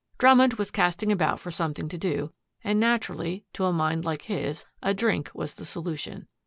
Drummond was casting about for something to do and, naturally, to a mind like his, a drink was the solution.